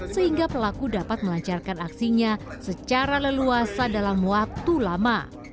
sehingga pelaku dapat melancarkan aksinya secara leluasa dalam waktu lama